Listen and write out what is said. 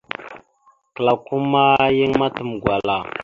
Klakom ma yan matam gwala.